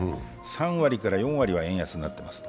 ３割から４割は円安になっちゃってます。